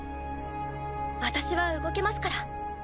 私は動けますから。